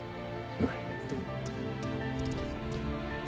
はい。